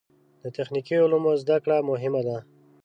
د تخنیکي علومو زده کړه مهمه ده.